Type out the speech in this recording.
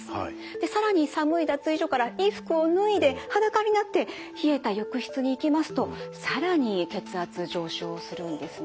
で更に寒い脱衣所から衣服を脱いで裸になって冷えた浴室に行きますと更に血圧上昇するんですね。